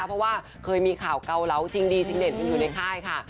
เพราะว่าเคยมีข่าวเกาเหลาชิงดีชิงเด่นกันอยู่ในค่ายค่ะ